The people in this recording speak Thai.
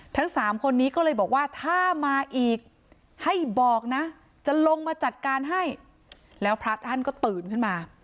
ทั้งสามคนนี้ก็เลยบอกว่าถ้ามาอีกให้บอกนะจะลงมาจัดการให้แล้วพระท่านก็ตื่นขึ้นมา